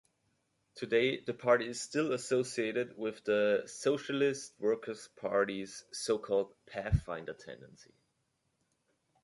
Today, the party is still associated with the Socialist Workers Party's so-called Pathfinder tendency.